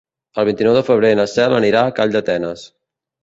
El vint-i-nou de febrer na Cel anirà a Calldetenes.